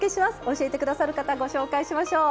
教えてくださる方ご紹介しましょう。